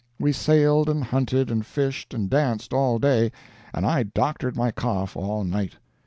We sailed and hunted and fished and danced all day, and I doctored my cough all night.